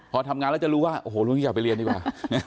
พอทำงานแล้วจะรู้ว่าโอ้โหลุงอยากไปเรียนดีกว่า